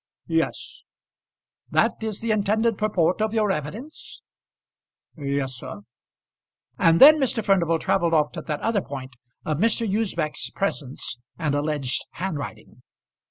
"Yes." "That is the intended purport of your evidence?" "Yes, sir." And then Mr. Furnival travelled off to that other point of Mr. Usbech's presence and alleged handwriting.